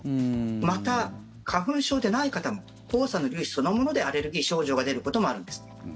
また、花粉症でない方も黄砂の粒子そのものでアレルギー症状が出ることもあるんです。